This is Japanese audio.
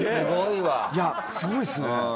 いやすごいっすね！